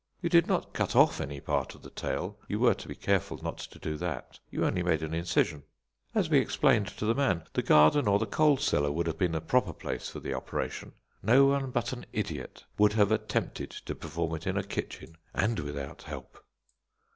You did not cut off any part of the tail; you were to be careful not to do that; you only made an incision. As we explained to the man, the garden or the coal cellar would have been the proper place for the operation; no one but an idiot would have attempted to perform it in a kitchen, and without help.